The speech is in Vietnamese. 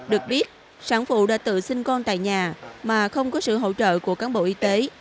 được biết sản phụ đã tự sinh con tại nhà mà không có sự hỗ trợ của cán bộ y tế